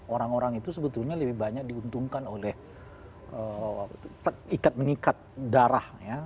orang orang itu sebetulnya lebih banyak diuntungkan oleh ikat mengikat darah ya